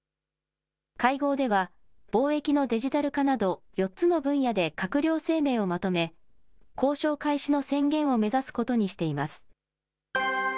会合では、貿易のデジタル化など、４つの分野で閣僚声明をまとめ、交渉開始の宣言を目指すことにしています。